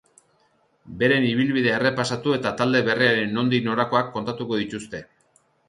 Beren ibilbidea errepasatu eta talde berriaren nondik norakoak kontatuko dituzte.